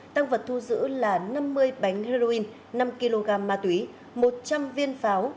tăng vật thu giữ là năm mươi bánh heroin năm kg ma túy một trăm linh viên pháo